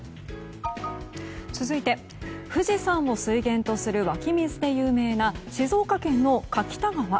続いて、富士山を水源とする湧き水で有名な静岡県の柿田川。